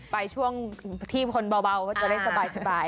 ไปช่วงที่คนเบาก็จะได้สบาย